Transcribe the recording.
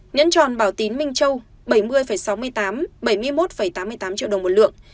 nhẫn tròn bảo tín minh châu bảy mươi sáu mươi tám bảy mươi một tám mươi tám triệu đồng một lượng